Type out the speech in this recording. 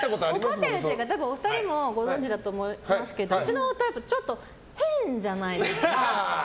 怒ってるというか多分お二人もご存じだと思いますけどうちの夫ちょっと変じゃないですか。